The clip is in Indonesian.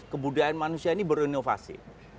kebudayaan manusia ini berinovasi